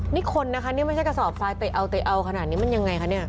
นี่คนนะคะนี่ไม่ใช่กระสอบทรายเตะเอาเตะเอาขนาดนี้มันยังไงคะเนี่ย